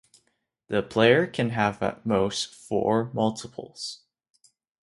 The player can have at most four multiples.